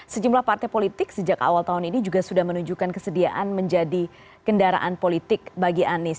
sejumlah partai politik sejak awal tahun ini juga sudah menunjukkan kesediaan menjadi kendaraan politik bagi anies